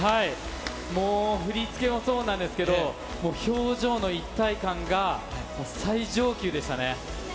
もう振り付けもそうなんですけど、もう表情の一体感が、最上級でしたね。